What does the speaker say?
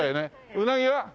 うなぎは？